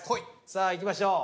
さあいきましょう。